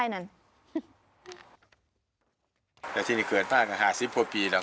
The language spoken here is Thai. อย่างเท่านี้เกือบต้านห้าสิบปีแล้ว